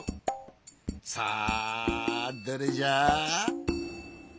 さあどれじゃ？